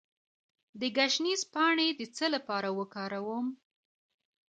د ګشنیز پاڼې د څه لپاره وکاروم؟